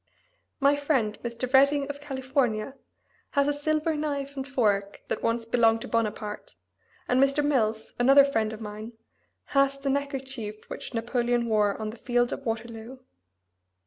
My friend, Mr. Redding, of California, has a silver knife and fork that once belonged to Bonaparte, and Mr. Mills, another friend of mine, has the neckerchief which Napoleon wore on the field of Waterloo.